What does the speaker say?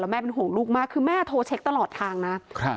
แม่เป็นห่วงลูกมากคือแม่โทรเช็คตลอดทางนะครับ